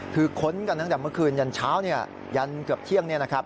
คือค้นกันตั้งแต่เมื่อคืนยันเช้ายันเกือบเที่ยง